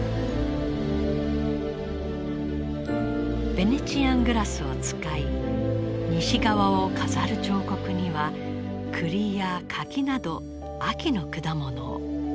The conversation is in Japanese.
ベネチアングラスを使い西側を飾る彫刻にはクリや柿など秋の果物を。